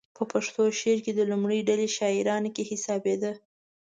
په پښتو شعر کې د لومړۍ ډلې شاعرانو کې حسابېده.